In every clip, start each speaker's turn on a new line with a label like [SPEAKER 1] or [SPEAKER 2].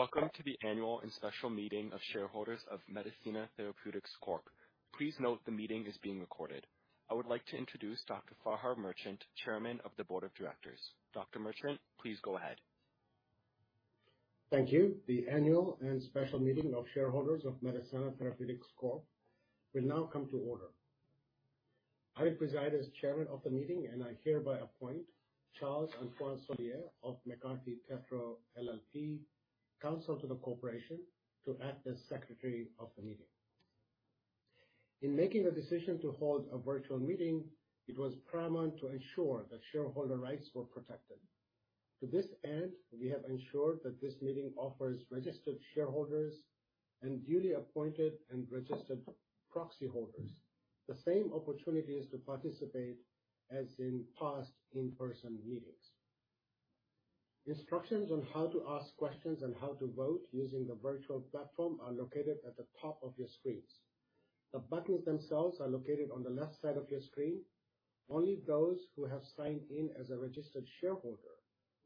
[SPEAKER 1] Welcome to the annual and special meeting of shareholders of Medicenna Therapeutics Corp. Please note the meeting is being recorded. I would like to introduce Dr. Fahar Merchant, chairman of the board of directors. Dr. Merchant, please go ahead.
[SPEAKER 2] Thank you. The annual and special meeting of shareholders of Medicenna Therapeutics Corp. will now come to order. I preside as chairman of the meeting, and I hereby appoint Charles-Antoine Soulière of McCarthy Tétrault LLP, counsel to the corporation, to act as secretary of the meeting. In making the decision to hold a virtual meeting, it was paramount to ensure that shareholder rights were protected. To this end, we have ensured that this meeting offers registered shareholders and duly appointed and registered proxy holders the same opportunities to participate as in past in-person meetings. Instructions on how to ask questions and how to vote using the virtual platform are located at the top of your screens. The buttons themselves are located on the left side of your screen. Only those who have signed in as a registered shareholder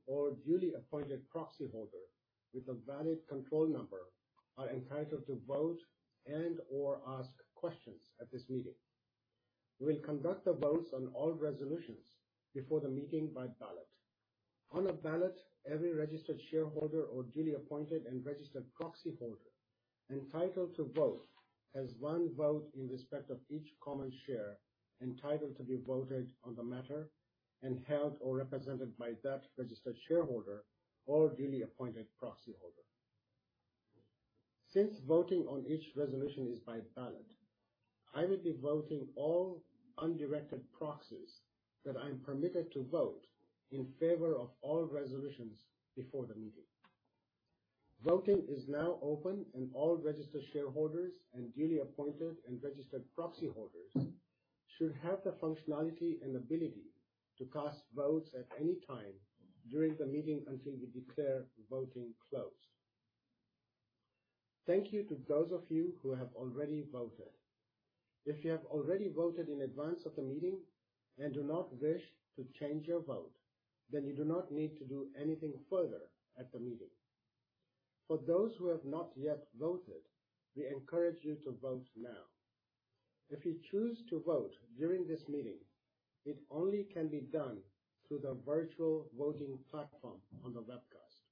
[SPEAKER 2] or duly appointed proxy holder with a valid control number are entitled to vote and/or ask questions at this meeting. We will conduct the votes on all resolutions before the meeting by ballot. On a ballot, every registered shareholder or duly appointed and registered proxy holder entitled to vote, has one vote in respect of each common share entitled to be voted on the matter and held or represented by that registered shareholder or duly appointed proxy holder. Since voting on each resolution is by ballot, I will be voting all undirected proxies that I am permitted to vote in favor of all resolutions before the meeting. Voting is now open, and all registered shareholders and duly appointed and registered proxy holders should have the functionality and ability to cast votes at any time during the meeting until we declare voting closed. Thank you to those of you who have already voted. If you have already voted in advance of the meeting and do not wish to change your vote, then you do not need to do anything further at the meeting. For those who have not yet voted, we encourage you to vote now. If you choose to vote during this meeting, it only can be done through the virtual voting platform on the webcast.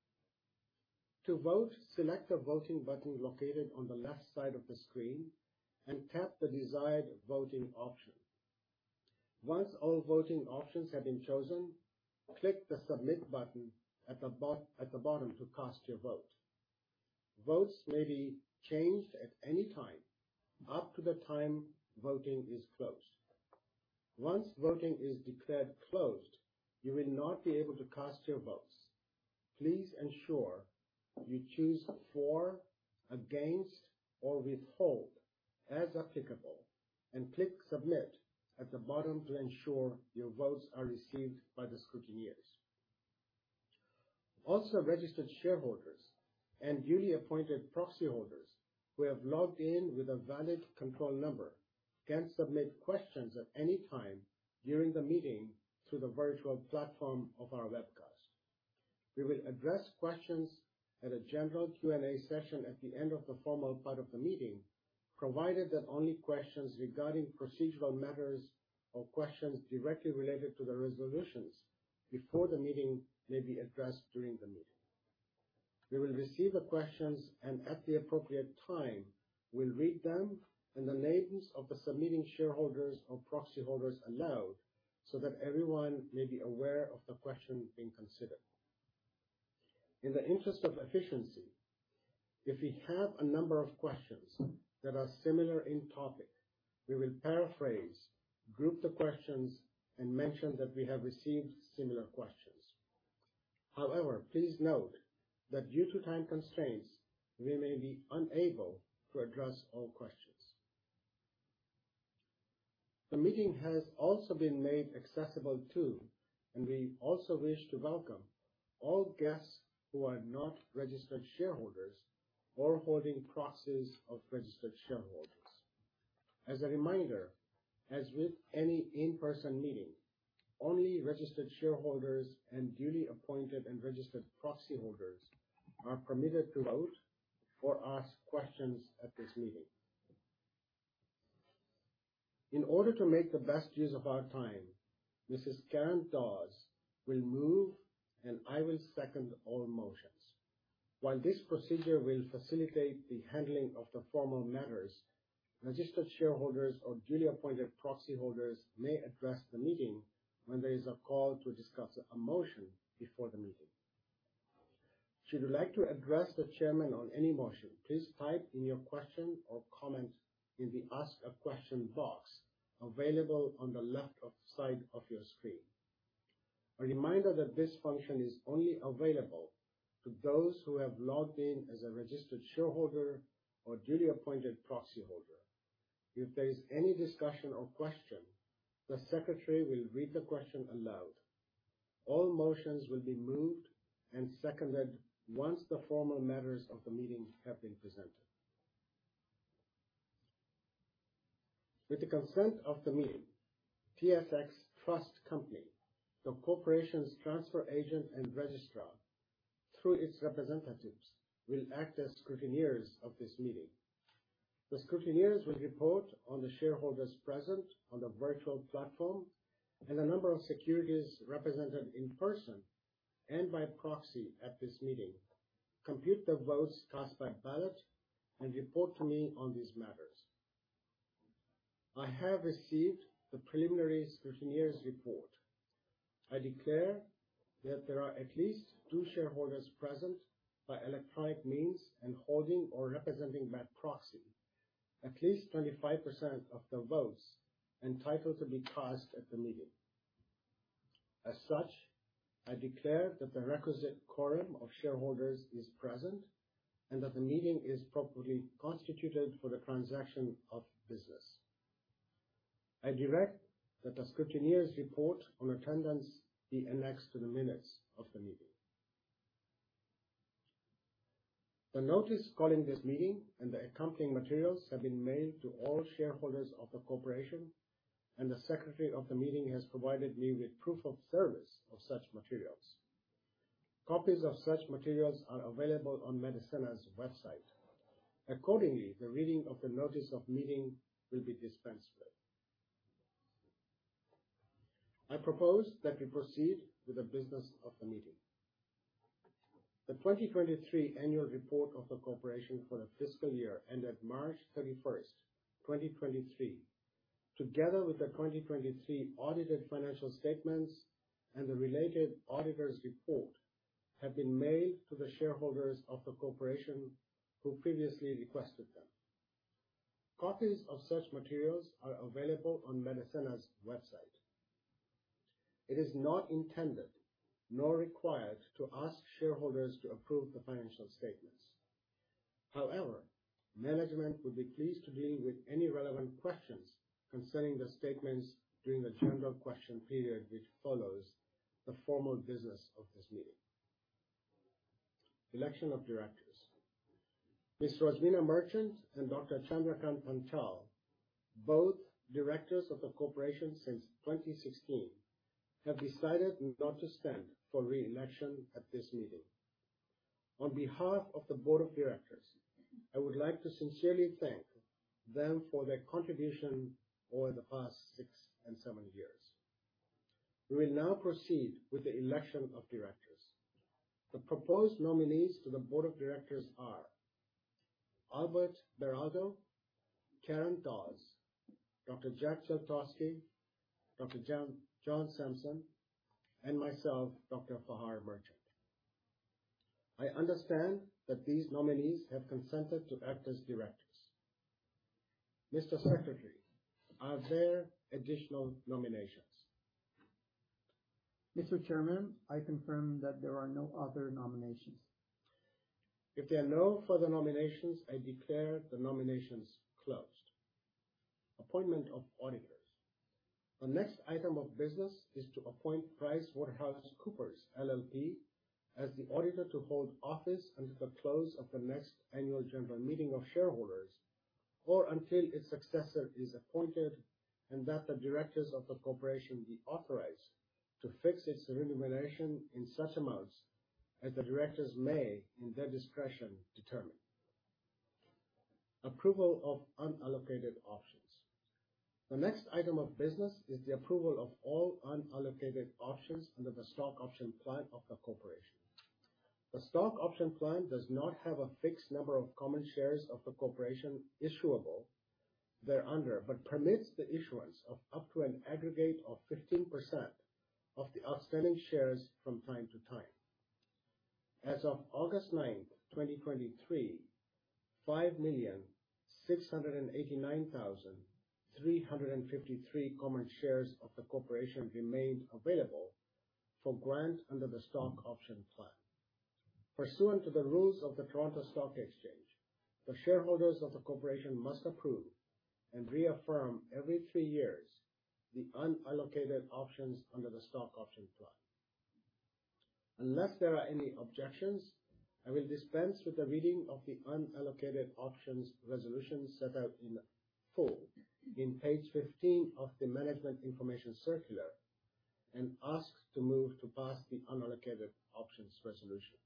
[SPEAKER 2] To vote, select the voting button located on the left side of the screen and tap the desired voting adoption. Once all voting options have been chosen, click the Submit button at the bottom to cast your vote. Votes may be changed at any time, up to the time voting is closed. Once voting is declared closed, you will not be able to cast your votes. Please ensure you choose for, against, or withhold, as applicable, and click Submit at the bottom to ensure your votes are received by the scrutineers. Also, registered shareholders and duly appointed proxy holders who have logged in with a valid control number can submit questions at any time during the meeting through the virtual platform of our webcast. We will address questions at a general Q&A session at the end of the formal part of the meeting, provided that only questions regarding procedural matters or questions directly related to the resolutions before the meeting may be addressed during the meeting. We will receive the questions, and at the appropriate time, we'll read them and the names of the submitting shareholders or proxy holders aloud so that everyone may be aware of the question being considered. In the interest of efficiency, if we have a number of questions that are similar in topic, we will paraphrase, group the questions, and mention that we have received similar questions. However, please note that due to time constraints, we may be unable to address all questions. The meeting has also been made accessible too, and we also wish to welcome all guests who are not registered shareholders or holding proxies of registered shareholders. As a reminder, as with any in-person meeting, only registered shareholders and duly appointed and registered proxy holders are permitted to vote or ask questions at this meeting. In order to make the best use of our time, Mrs. Karen Dawes will move and I will second all motions. While this procedure will facilitate the handling of the formal matters, registered shareholders or duly appointed proxy holders may address the meeting when there is a call to discuss a motion before the meeting. Should you like to address the chairman on any motion, please type in your question or comment in the Ask a Question box available on the left side of your screen. A reminder that this function is only available to those who have logged in as a registered shareholder or duly appointed proxy holder. If there is any discussion or question, the secretary will read the question aloud. All motions will be moved and seconded once the formal matters of the meeting have been presented. With the consent of the meeting, TSX Trust Company, the corporation's transfer agent and registrar, through its representatives, will act as scrutineers of this meeting. The scrutineers will report on the shareholders present on the virtual platform and the number of securities represented in person and by proxy at this meeting, compute the votes cast by ballot, and report to me on these matters. I have received the preliminary scrutineers report. I declare that there are at least two shareholders present by electronic means and holding or representing by proxy, at least 25% of the votes entitled to be cast at the meeting. As such, I declare that the requisite quorum of shareholders is present, and that the meeting is properly constituted for the transaction of business. I direct that the scrutineers report on attendance be annexed to the minutes of the meeting. The notice calling this meeting and the accompanying materials have been made to all shareholders of the corporation, and the Secretary of the meeting has provided me with proof of service of such materials. Copies of such materials are available on Medicenna's website. Accordingly, the reading of the notice of meeting will be dispensed with. I propose that we proceed with the business of the meeting. The 2023 annual report of the corporation for the fiscal year ended March 31, 2023, together with the 2023 audited financial statements and the related auditor's report, have been mailed to the shareholders of the corporation who previously requested them. Copies of such materials are available on Medicenna's website. It is not intended, nor required, to ask shareholders to approve the financial statements. However, management would be pleased to deal with any relevant questions concerning the statements during the general question period, which follows the formal business of this meeting. Election of directors. Ms. Rosemina Merchant and Dr. Chandrakant Patel, both directors of the corporation since 2016, have decided not to stand for re-election at this meeting. On behalf of the board of directors, I would like to sincerely thank them for their contribution over the past 6 and 7 years. We will now proceed with the election of directors. The proposed nominees to the board of directors are Albert Beraldo, Karen Dawes, Dr. Jack Geltosky, Dr. John Sampson, and myself, Dr. Fahar Merchant. I understand that these nominees have consented to act as directors. Mr. Secretary, are there additional nominations?
[SPEAKER 3] Mr. Chairman, I confirm that there are no other nominations.
[SPEAKER 2] If there are no further nominations, I declare the nominations closed. Appointment of auditors. The next item of business is to appoint PricewaterhouseCoopers LLP, as the auditor to hold office until the close of the next annual general meeting of shareholders, or until its successor is appointed, and that the directors of the corporation be authorized to fix its remuneration in such amounts as the directors may, in their discretion, determine. Approval of unallocated options. The next item of business is the approval of all unallocated options under the stock option plan of the corporation. The stock option plan does not have a fixed number of common shares of the corporation issuable thereunder, but permits the issuance of up to an aggregate of 15% of the outstanding shares from time to time. As of August 9, 2023, 5,689,353 common shares of the corporation remained available for grant under the stock option plan. Pursuant to the rules of the Toronto Stock Exchange, the shareholders of the corporation must approve and reaffirm every three years the unallocated options under the stock option plan. Unless there are any objections, I will dispense with the reading of the unallocated options resolution set out in full in page 15 of the Management Information Circular, and ask to move to pass the unallocated options resolution.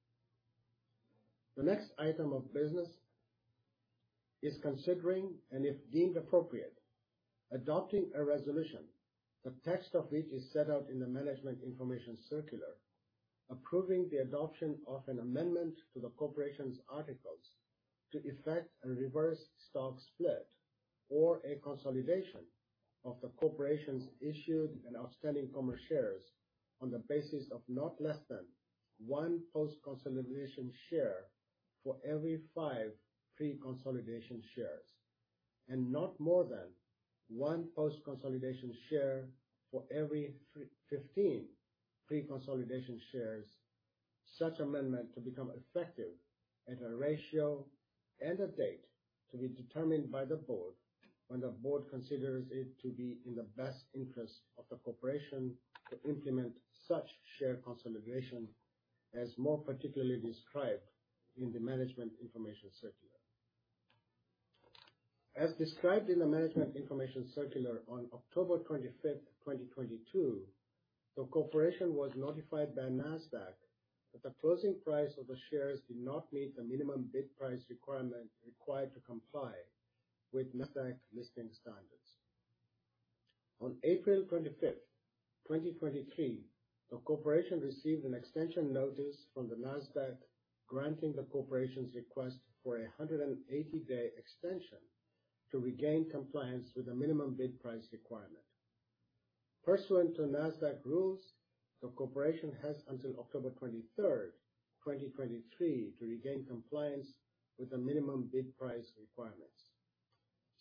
[SPEAKER 2] The next item of business is considering, and if deemed appropriate, adopting a resolution, the text of which is set out in the Management Information Circular, approving the adoption of an amendment to the corporation's articles to effect a reverse stock split or a consolidation of the corporation's issued and outstanding common shares on the basis of not less than 1 post-consolidation share for every 5 pre-consolidation shares, and not more than 1 post-consolidation share for every 15 pre-consolidation shares. Such amendment to become effective at a ratio and a date to be determined by the board, when the board considers it to be in the best interest of the corporation to implement such share consolidation.... as more particularly described in the Management Information Circular. As described in the Management Information Circular, on October 25, 2022, the corporation was notified by NASDAQ that the closing price of the shares did not meet the minimum bid price requirement required to comply with NASDAQ listing standards. On April 25, 2023, the corporation received an extension notice from the NASDAQ, granting the corporation's request for a 180-day extension to regain compliance with the minimum bid price requirement. Pursuant to NASDAQ rules, the corporation has until October 23, 2023, to regain compliance with the minimum bid price requirements.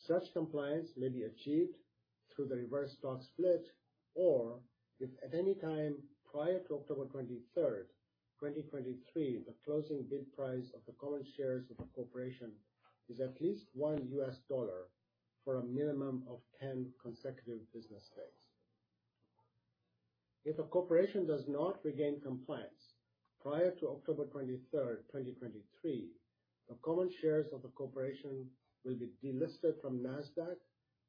[SPEAKER 2] Such compliance may be achieved through the reverse stock split, or if at any time prior to October 23, 2023, the closing bid price of the common shares of the corporation is at least $1 for a minimum of 10 consecutive business days. If a corporation does not regain compliance prior to October 23, 2023, the common shares of the corporation will be delisted from NASDAQ,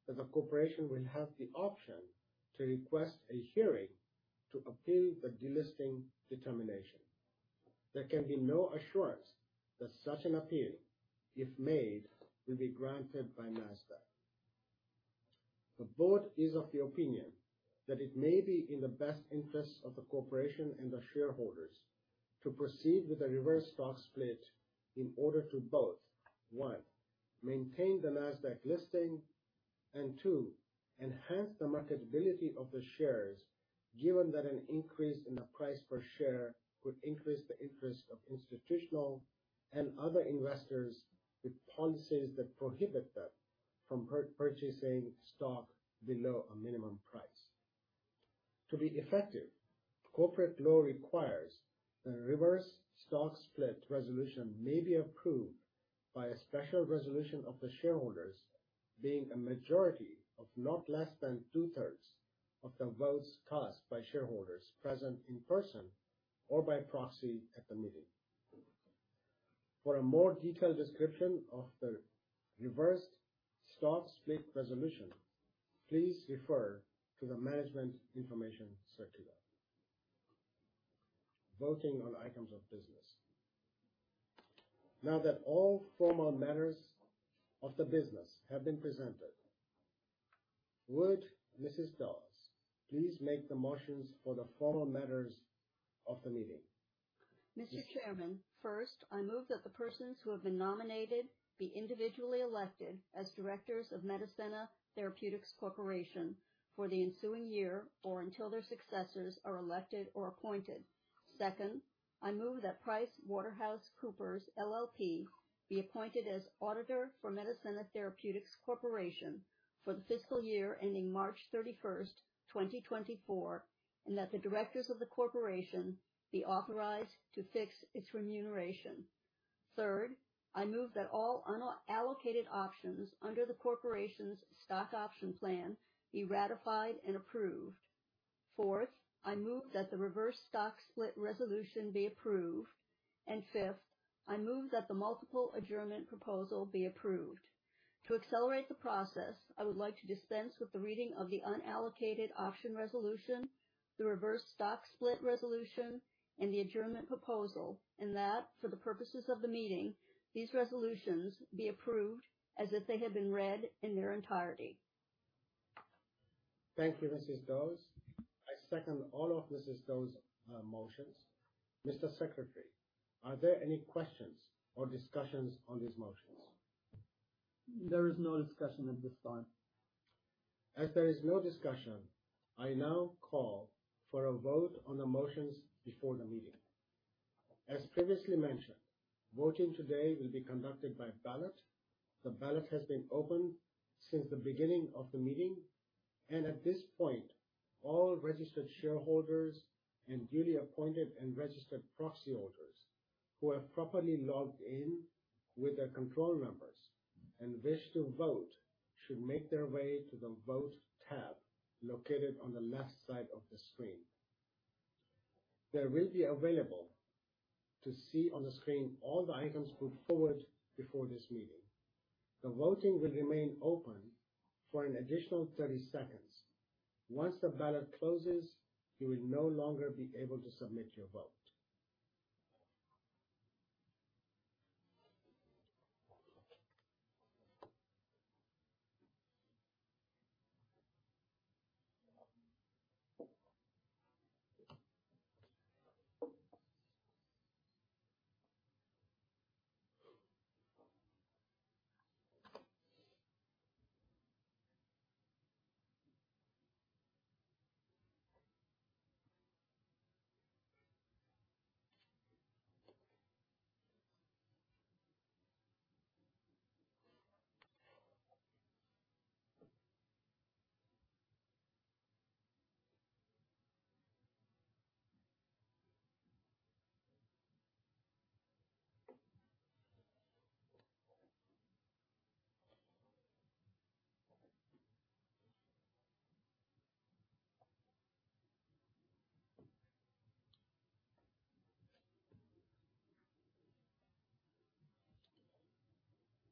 [SPEAKER 2] but the corporation will have the option to request a hearing to appeal the delisting determination. There can be no assurance that such an appeal, if made, will be granted by NASDAQ. The board is of the opinion that it may be in the best interest of the corporation and the shareholders to proceed with the reverse stock split in order to both, one, maintain the NASDAQ listing, and two, enhance the marketability of the shares, given that an increase in the price per share would increase the interest of institutional and other investors with policies that prohibit them from purchasing stock below a minimum price. To be effective, corporate law requires that a reverse stock split resolution may be approved by a special resolution of the shareholders, being a majority of not less than two-thirds of the votes cast by shareholders present in person or by proxy at the meeting. For a more detailed description of the reverse stock split resolution, please refer to the Management Information Circular. Voting on items of business. Now that all formal matters of the business have been presented, would Mrs. Dawes please make the motions for the formal matters of the meeting?
[SPEAKER 4] Mr. Chairman, first, I move that the persons who have been nominated be individually elected as directors of Medicenna Therapeutics Corporation for the ensuing year or until their successors are elected or appointed. Second, I move that PricewaterhouseCoopers LLP be appointed as auditor for Medicenna Therapeutics Corporation for the fiscal year ending March 31, 2024, and that the directors of the corporation be authorized to fix its remuneration. Third, I move that all unallocated options under the corporation's stock option plan be ratified and approved. Fourth, I move that the reverse stock split resolution be approved. And fifth, I move that the multiple adjournment proposal be approved. To accelerate the process, I would like to dispense with the reading of the Unallocated Option Resolution, the Reverse Stock Split Resolution, and the Adjournment Proposal, and that for the purposes of the meeting, these resolutions be approved as if they had been read in their entirety.
[SPEAKER 2] Thank you, Mrs. Dawes. I second all of Mrs. Dawes' motions. Mr. Secretary, are there any questions or discussions on these motions?
[SPEAKER 3] There is no discussion at this time.
[SPEAKER 2] As there is no discussion, I now call for a vote on the motions before the meeting. As previously mentioned, voting today will be conducted by ballot. The ballot has been open since the beginning of the meeting, and at this point, all registered shareholders and duly appointed and registered proxy holders who have properly logged in with their control numbers and wish to vote, should make their way to the Vote tab located on the left side of the screen. They will be available to see on the screen all the items put forward before this meeting. The voting will remain open for an additional 30 seconds. Once the ballot closes, you will no longer be able to submit your vote....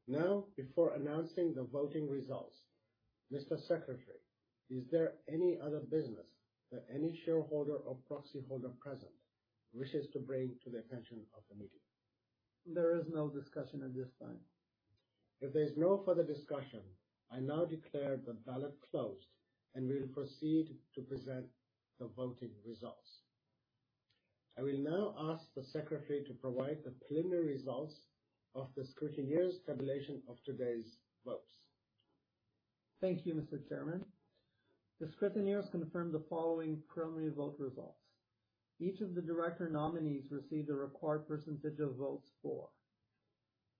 [SPEAKER 2] Now, before announcing the voting results, Mr. Secretary, is there any other business that any shareholder or proxy holder present wishes to bring to the attention of the meeting?
[SPEAKER 3] There is no discussion at this time.
[SPEAKER 2] If there's no further discussion, I now declare the ballot closed, and we'll proceed to present the voting results. I will now ask the secretary to provide the preliminary results of the scrutineer's tabulation of today's votes.
[SPEAKER 3] Thank you, Mr. Chairman. The scrutineers confirmed the following preliminary vote results. Each of the director nominees received a required percentage of votes for.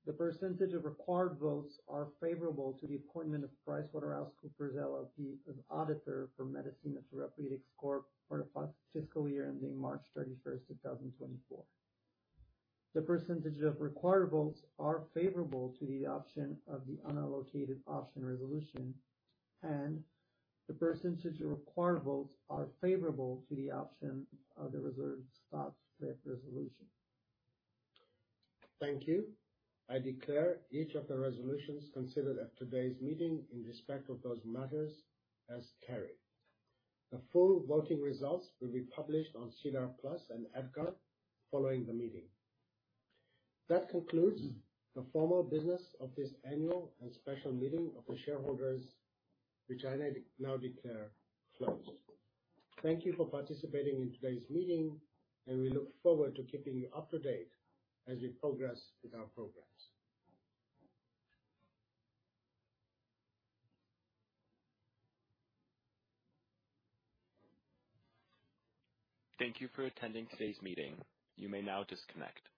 [SPEAKER 3] The percentage of required votes are favorable to the appointment of PricewaterhouseCoopers LLP as auditor for Medicenna Therapeutics Corp for the fiscal year ending March 31, 2024. The percentage of required votes are favorable to the option of the unallocated option resolution, and the percentage of required votes are favorable to the option of the reverse stock split resolution.
[SPEAKER 2] Thank you. I declare each of the resolutions considered at today's meeting in respect of those matters as carried. The full voting results will be published on SEDAR+ and EDGAR following the meeting. That concludes the formal business of this annual and special meeting of the shareholders, which I now declare closed. Thank you for participating in today's meeting, and we look forward to keeping you up to date as we progress with our programs.
[SPEAKER 1] Thank you for attending today's meeting. You may now disconnect.